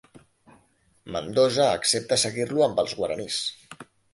Mendoza accepta seguir-lo amb els guaranís.